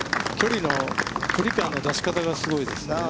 距離感の出し方がすごいですね。